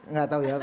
nggak tahu ya